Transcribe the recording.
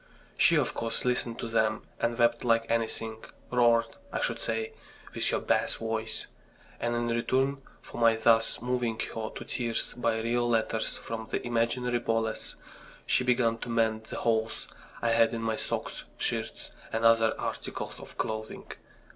She, of course, listened to them, and wept like anything, roared, I should say, with her bass voice. And in return for my thus moving her to tears by real letters from the imaginary Boles, she began to mend the holes I had in my socks, shirts, and other articles of clothing.